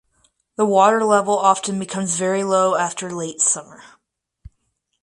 The water level often becomes very low after late summer.